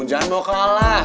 jangan mau kalah